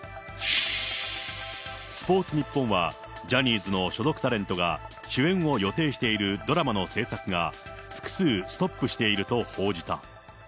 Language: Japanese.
スポーツニッポンは、ジャニーズの所属タレントが主演を予定しているドラマの制作が複数ストップしていると報じた。